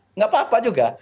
tidak apa apa juga